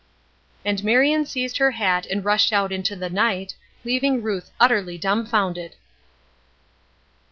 And Marion seized her hat and rushed out into the night, leaving Ruth utterly dumbfounded.